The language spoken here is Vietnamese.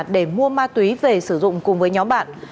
để mua ma túy về sử dụng cùng với nhóm bạn